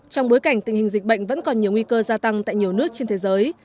trong bối cảnh tình hình dịch bệnh vẫn còn nhiều nguy cơ gia tăng tại nhiều nước trên thế giới